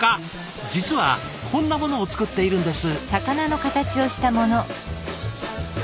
実はこんなものを作っているんです。